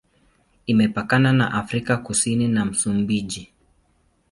Imepakana na Afrika Kusini na Msumbiji.